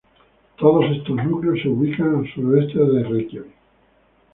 Todos estos núcleos se ubican al sureste de Reikiavik.